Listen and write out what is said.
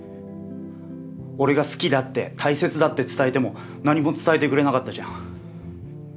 俺が好きだって大切だって伝えても何も伝えてくれなかったじゃん。